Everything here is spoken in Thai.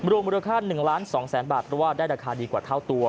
รวมราคา๑๒๐๐๐๐๐บาทหรือว่าได้ราคาดีกว่าเท่าตัว